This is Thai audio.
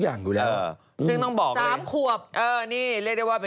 อย่างน้องนอร์ดเวสต์